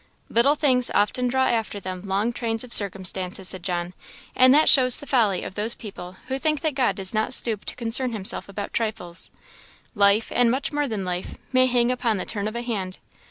"Little things often draw after them long trains of circumstances," said John "and that shows the folly of those people who think that God does not stoop to concern himself about trifles; life, and much more than life, may hang upon the turn of a hand.